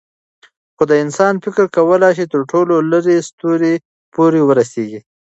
خو د انسان فکر کولی شي تر ټولو لیرې ستورو پورې ورسېږي.